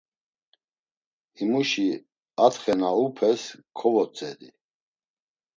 Himuşi atxe na upes kovotzedi.